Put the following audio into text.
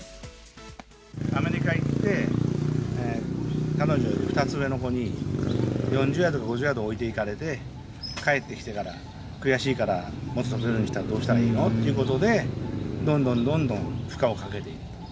アメリカ行って、彼女より２つ上の子に、４０ヤード、５０ヤード置いていかれて、帰ってきてから、悔しいから、もっと飛ばしたいんだけどどうしたらいいの？っていうことで、どんどんどんどん負荷をかけていった。